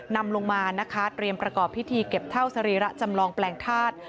นำลงมานะคะเตรียมประกอบพิธีเก็บเท่าสรีระจำลองแปลงธาตุ